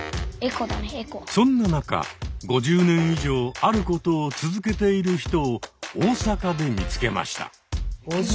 そんな中５０年以上あることを続けている人を大阪で見つけました。